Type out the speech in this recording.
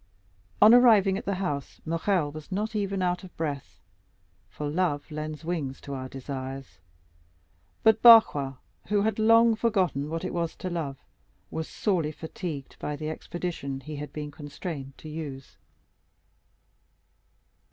On arriving at the house, Morrel was not even out of breath, for love lends wings to our desires; but Barrois, who had long forgotten what it was to love, was sorely fatigued by the expedition he had been constrained to use.